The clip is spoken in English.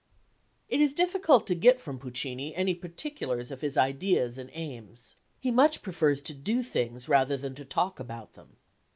Ernesto Arboco_] It is difficult to get from Puccini any particulars of his ideas and aims. He much prefers to do things rather than to talk about them.